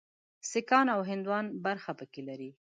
سیکهان او هندوان برخه پکې لري.